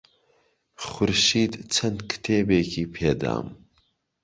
خورشید چەند کتێبێکی پێدام.